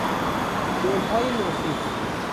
گلهای نوخیز